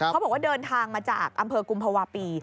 เขาบอกว่าเดินทางมาจากอำเภอกุมภาวะปี